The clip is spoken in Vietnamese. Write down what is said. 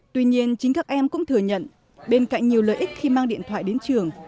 tuy nhiên chính các em cũng thừa nhận bên cạnh nhiều lợi ích khi mang điện thoại đến trường